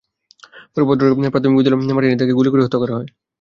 পরে ভদ্রখালি প্রাথমিক বিদ্যালয় মাঠে নিয়ে তাঁকে গুলি করে হত্যা করা হয়।